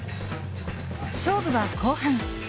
勝負は後半。